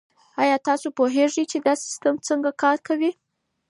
آیا تاسو پوهیږئ چي دا سیستم څنګه کار کوي؟